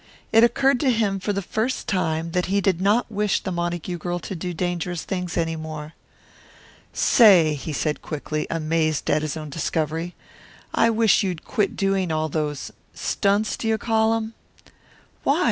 It occurred to him for the first time that he did not wish the Montague girl to do dangerous things any more. "Say," he said quickly, amazed at his own discovery, "I wish you'd quit doing all those stunts, do you call 'em?" "Why?"